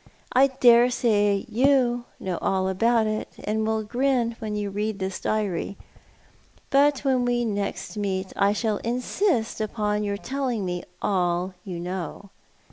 I dare say you know all about it, and will griu when you read this diary ; biit when next we meet I shall insist iipon your telling me all you know.